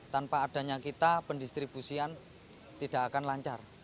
tanpa adanya kita pendistribusian tidak akan lancar